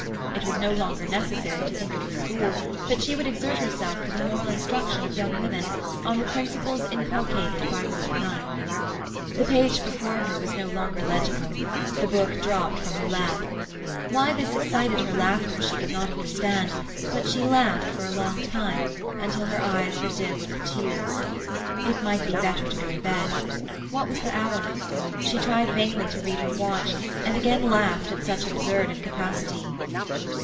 It was no longer necessary to think of the school, but she would exert herself for the moral instruction of young women—on the principles inculcated by Rhoda Nunn. The page before her was no longer legible; the book dropped from her lap. Why this excited her laughter she could not understand; but she laughed for a long time, until her eyes were dim with tears. It might be better to go to bed. What was the hour? She tried vainly to read her watch, and again laughed at such absurd incapacity.